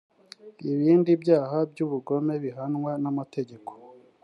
ibindi byaha by ubugome bihanwa n amategeko